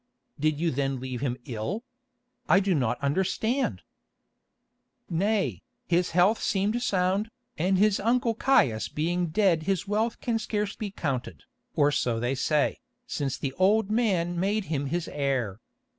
"Did you then leave him ill? I do not understand." "Nay, his health seemed sound, and his uncle Caius being dead his wealth can scarce be counted, or so they say, since the old man made him his heir.